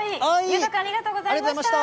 裕太君、ありがとうございました。